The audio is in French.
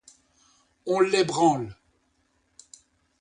On l'ébranle.